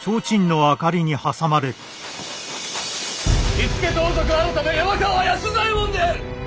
火付盗賊改山川安左衛門である！